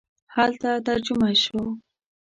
هلته ترجمه شو.